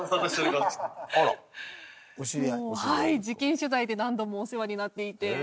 事件取材で何度もお世話になっていて。